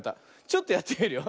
ちょっとやってみるよ。